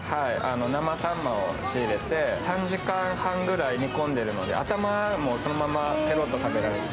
生さんまを仕入れて、３時間半ぐらい煮込んでいるので、頭もそのままぺろっと食べられます。